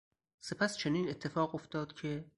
سپس چنین اتفاق افتاد که...